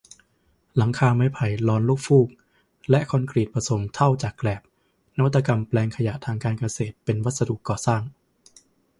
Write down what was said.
หลังคาไม้ไผ่ลอนลูกฟูก และ คอนกรีตผสมเถ้าจากแกลบ นวัตกรรมแปลงขยะทางการเกษตรเป็นวัสดุก่อสร้าง